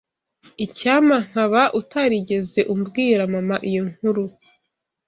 Icyampa nkaba utarigeze ubwira mama iyo nkuru.